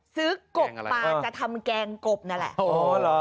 ซื้อกบปลาจะทำแกงกบนั่นแหละ